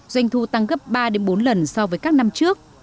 doanh thu tăng gấp ba bốn lần so với các năm trước